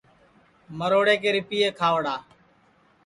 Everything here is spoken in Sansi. مروڑے کے رِپِئے کھاؤڑا